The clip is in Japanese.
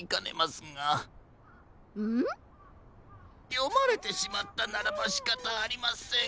よまれてしまったならばしかたありません。